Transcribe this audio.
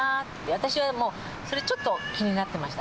私はもう、それちょっと気になってました。